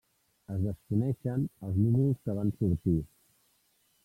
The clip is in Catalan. Es desconeixen els números que van sortir.